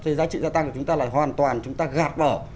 về giá trị gia tăng của chúng ta là hoàn toàn chúng ta gạt bỏ